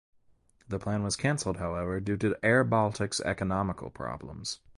The plan was cancelled, however, due to AirBaltic's economical problems.